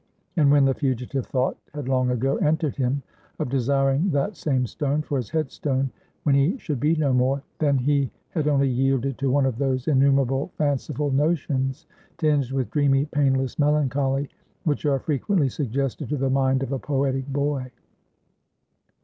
And when the fugitive thought had long ago entered him of desiring that same stone for his head stone, when he should be no more; then he had only yielded to one of those innumerable fanciful notions, tinged with dreamy painless melancholy, which are frequently suggested to the mind of a poetic boy.